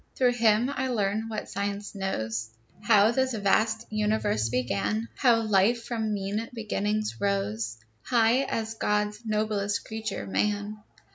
Through him I learn what Science knows, How this vast universe began; How life, from mean beginnings, rose High as God's noblest creature, man.